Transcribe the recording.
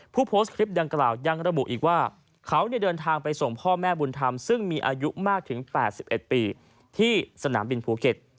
ผู้โพสต์คลิปดังกล่าวยังระบุอีกว่าเขาเดินทางไปส่งพ่อแม่บุญธรรมซึ่งมีอายุมากถึง๘๑ปีที่สนามบินภูเก็ต